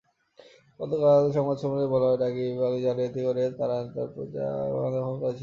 গতকাল সংবাদ সম্মেলনে বলা হয়, রাগীব আলী জালিয়াতি করে তারাপুর চা-বাগান দখল করেছিলেন।